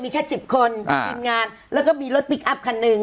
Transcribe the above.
มีแค่๑๐คนทีมงานแล้วก็มีรถพลิกอัพคันหนึ่ง